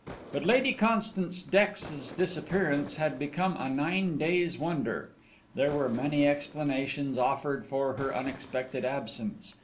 But Lady Constance Dex's disappearance had become a nine days' wonder. There were many explanations offered for her unexpected absence.